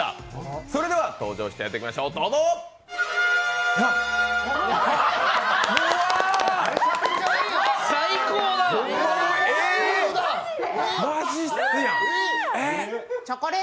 それでは登場していただきましょう、どうぞえー！